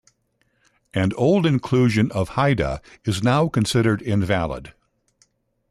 An old inclusion of Haida is now considered invalid.